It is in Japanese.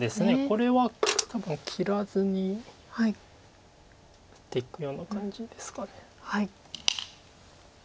これは多分切らずに打っていくような感じですか。